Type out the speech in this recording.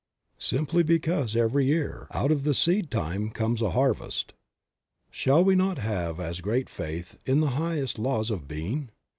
Simply because every >ear, out of the seed time comes a harvest. Shall we not have as great faith in the higher laws of being?